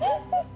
cukup ma cukup